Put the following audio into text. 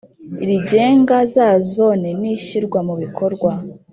rigenga za Zone n ishyirwa mu bikorwa